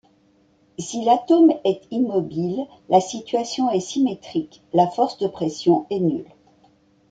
Si l'atome est immobile, la situation est symétrique, la force de pression est nulle.